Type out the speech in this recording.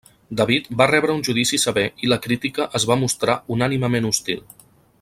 David va rebre un judici sever i la crítica es va mostrar unànimement hostil.